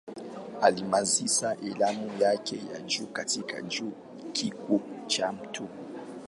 Alimaliza elimu yake ya juu katika Chuo Kikuu cha Mt.